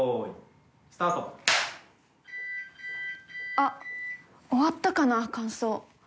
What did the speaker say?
あっ終わったかな乾燥。